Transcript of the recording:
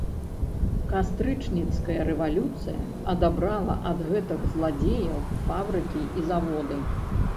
Кастрычніцкая рэвалюцыя адабрала ад гэтых зладзеяў фабрыкі і заводы.